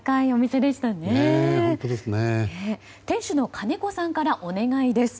店主の金子さんからお願いです。